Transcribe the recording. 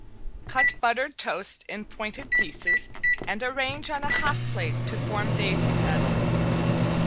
Cut buttered toast in pointed pieces and arrange on a hot plate to form daisy petals.